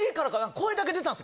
声だけ出たんです